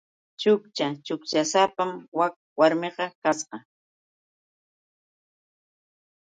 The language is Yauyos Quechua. Chukcha chukchasapam wak warmiqa kasqa.